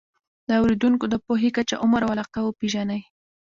د اورېدونکو د پوهې کچه، عمر او علاقه وپېژنئ.